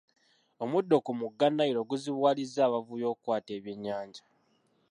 Omuddo ku mugga Nile guzibuwalizza abavubi okukwata ebyenyanja.